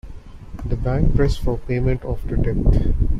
The bank pressed for payment of the debt.